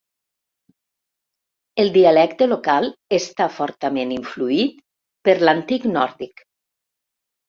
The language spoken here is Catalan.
El dialecte local està fortament influït per l'antic nòrdic.